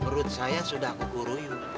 biar dia dan kenyawanya bersekutu